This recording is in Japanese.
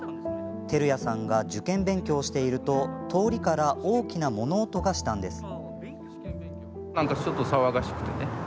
照屋さんが受験勉強をしていると通りから大きな物音がしたのです。